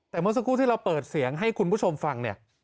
แต่เมื่อสักครู่ที่เราเปิดเสียงให้คุณผู้ชมฟังเนี่ย